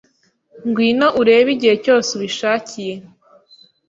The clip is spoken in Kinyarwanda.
Ngwino urebe igihe cyose ubishakiye.